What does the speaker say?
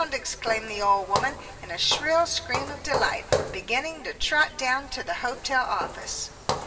exclaimed the old woman, in a shrill scream of delight, beginning to trot down to the hotel office.